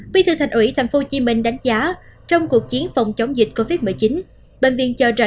bị thư thạch ủy tp hcm đánh giá trong cuộc chiến phòng chống dịch covid một mươi chín